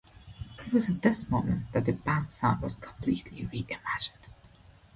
It was at this moment that the band's sound was completely re-imagined.